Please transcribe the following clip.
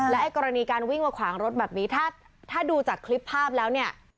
ไอ้กรณีการวิ่งมาขวางรถแบบนี้ถ้าดูจากคลิปภาพแล้วเนี่ย